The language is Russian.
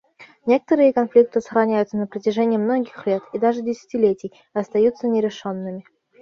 Некоторые конфликты сохраняются на протяжении многих лет и даже десятилетий и остаются нерешенными.